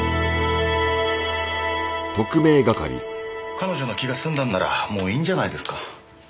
彼女の気が済んだのならもういいんじゃないですか。